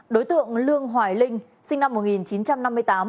đối tượng lương hoài linh sinh năm một nghìn chín trăm năm mươi tám